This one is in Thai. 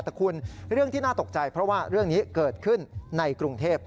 แต่คุณเรื่องที่น่าตกใจเพราะว่าเรื่องนี้เกิดขึ้นในกรุงเทพ